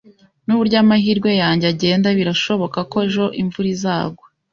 Nuburyo amahirwe yanjye agenda, birashoboka ko ejo imvura izagwa